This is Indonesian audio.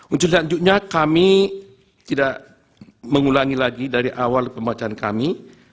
untuk selanjutnya kami tidak mengulangi lagi dari awal pembacaan kami